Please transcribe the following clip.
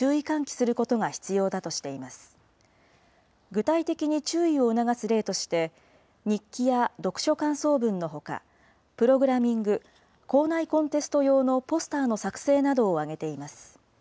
具体的に注意を促す例として、日記や読書感想文のほか、プログラミング、校内コンテスト用のポスターの作成などを挙げています。